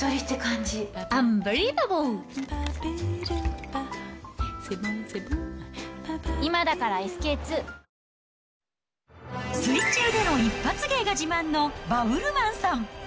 口に含んだ空気で、水中での一発芸が自慢のバブルマンさん。